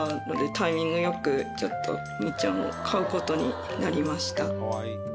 タイミング良くうにちゃんを飼うことになりました。